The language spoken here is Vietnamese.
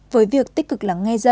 với việc tích cực lắng nghe dân